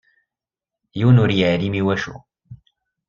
Yiwen ur yeɛlim iwacu.